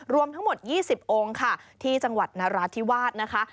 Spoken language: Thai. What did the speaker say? รวมทั้งหมด๒๐องค์ค่ะที่จังหวัดนราธิวาสนะคะ